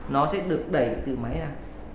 nó sẽ được đẩy từ máy ra